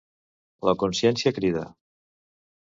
La consciència crida.